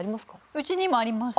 うちにもあります。